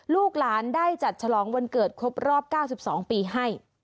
ลูกหลานได้จัดฉลองวันเกิดครบรอบ๙๒ปีให้